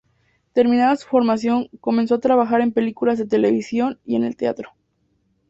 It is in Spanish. Terminada su formación comenzó a trabajar en películas de televisión y en el teatro.